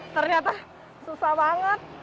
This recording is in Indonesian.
ternyata susah banget